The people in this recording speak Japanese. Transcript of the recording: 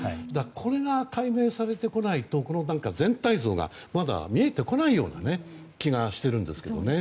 これが解明されてこないと全体像がまだ見えてこないような気がしているんですけどね。